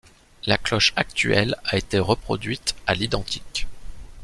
La cloche actuelle a été reproduite à l'identique.